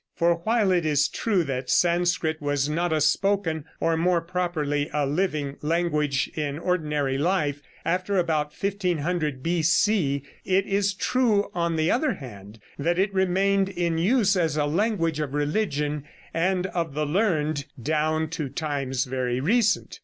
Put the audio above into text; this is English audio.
For while it is true that Sanskrit was not a spoken, or, more properly, a living, language in ordinary life after about 1500 B.C., it is true, on the other hand, that it remained in use as a language of religion and of the learned down to times very recent.